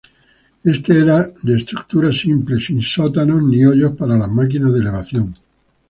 Este era de estructura simple, sin sótanos ni hoyos para las máquinas de elevación.